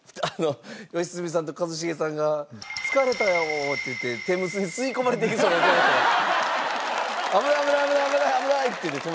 良純さんと一茂さんが「疲れたよ」って言って天むすに吸い込まれていきそうになってましたから。